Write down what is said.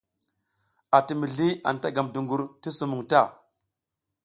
Ati mizliAnta gam dungur ti sumuŋ ta.